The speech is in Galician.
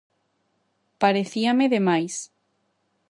Parecíame de máis.